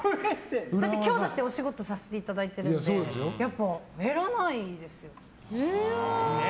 だって今日もお仕事させていただいてるのでやっぱり減らないですね。